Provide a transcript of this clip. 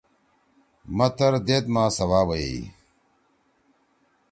متر دیت ما سوابئی۔